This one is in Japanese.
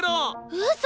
うそ！